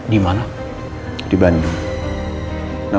dia sudah dikeluarkan ke rumah tersebut